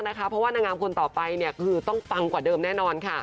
เพราะว่านางงามคนต่อไปคือต้องปังกว่าเดิมแน่นอน